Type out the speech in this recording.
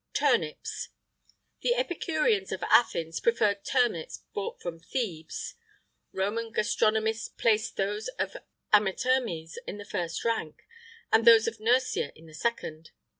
TURNIPS. The epicureans of Athens preferred turnips brought from Thebes;[IX 72] Roman gastronomists placed those of Amitermes in the first rank, and those of Nursia in the second.